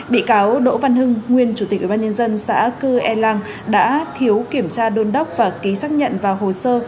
bị cáo đỗ văn hưng nguyên chủ tịch ủy ban nhân dân xã cư e lang đã thiếu kiểm tra đôn đốc và ký xác nhận vào hồ sơ